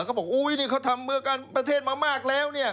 เขาบอกอุ๊ยนี่เขาทำเมื่อประเทศมามากแล้ว